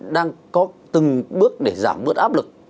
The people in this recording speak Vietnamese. đang có từng bước để giảm bước áp lực